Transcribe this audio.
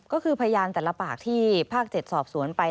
ก็คือพยานแต่ละปากที่ภาค๗สอบสวนไป